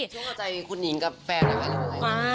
ช่วงเอาใจคุณหญิงกับแฟนนะคะ